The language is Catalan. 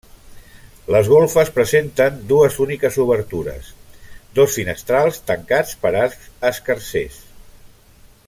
Les golfes presenten dues úniques obertures, dos finestrals tancats per arcs escarsers.